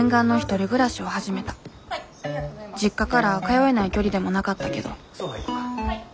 実家から通えない距離でもなかったけど。